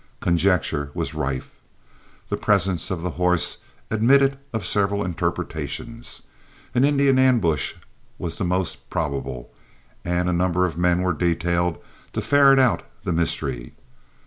Conjecture was rife. The presence of the horse admitted of several interpretations. An Indian ambush was the most probable, and a number of men were detailed to ferret out the mystery.